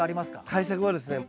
対策はですね